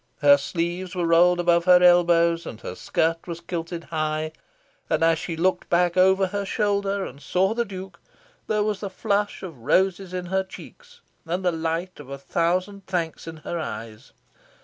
Her sleeves were rolled above her elbows, and her skirt was kilted high; and, as she looked back over her shoulder and saw the Duke, there was the flush of roses in her cheeks, and the light of a thousand thanks in her eyes.